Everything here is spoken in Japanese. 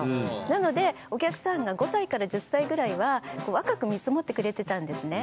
なのでお客さんが５歳から１０歳ぐらいは若く見積もってくれてたんですね。